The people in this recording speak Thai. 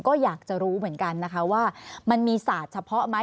ก็อยากจะรู้เหมือนกันนะคะว่ามันมีศาสตร์เฉพาะไหม